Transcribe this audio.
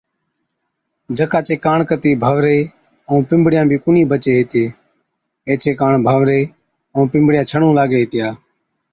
جڪا چي ڪاڻ ڪتِي ڀَنوري ائُون پنبڙِيان بِي ڪونهِي بچي هِتي، ايڇي ڪاڻ ڀَنوري ائُون پمبڙِيا ڇَڻُون لاگي هِتِيا۔